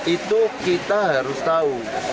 itu kita harus tahu